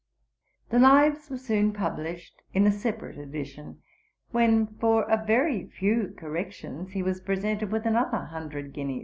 The Lives were soon published in a separate edition; when, for a very few corrections, he was presented with another hundred guineas.'